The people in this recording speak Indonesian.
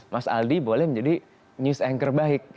mas aldi boleh menjadi news anchor baik